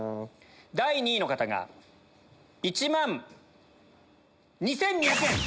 第２位の方が１万２２００円。